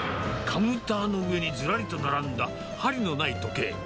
カウンターの上にずらりと並んだ針のない時計。